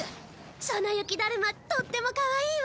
その雪だるまとってもかわいいわ。